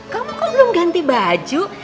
kamu kok belum ganti baju